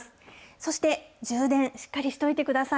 そして充電、しっかりしておいてください。